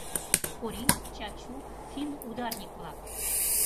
Кори, Чачу — финударник-влак.